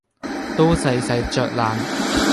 都細細嚼爛，